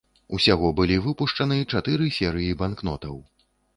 Усяго былі выпушчаны чатыры серыі банкнотаў.